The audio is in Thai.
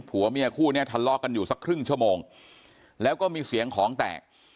ผัวเมียคู่เนี้ยทะเลาะกันอยู่สักครึ่งชั่วโมงแล้วก็มีเสียงของแตก